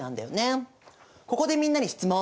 ここでみんなに質問。